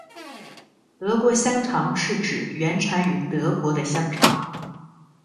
德国香肠是指原产于德国的香肠。